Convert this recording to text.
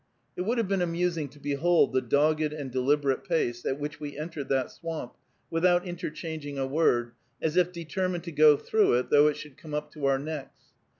It would have been amusing to behold the dogged and deliberate pace at which we entered that swamp, without interchanging a word, as if determined to go through it, though it should come up to our necks.